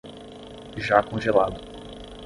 Já congelado